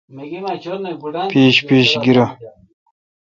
پیݭ پیݭ گیر۔